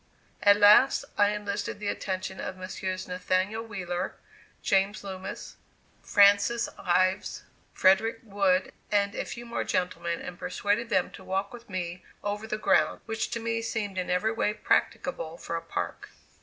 At last I enlisted the attention of Messrs. Nathaniel Wheeler, James Loomis, Francis Ives, Frederick Wood, and a few more gentlemen, and persuaded them to walk with me over the ground, which to me seemed in every way practicable for a park.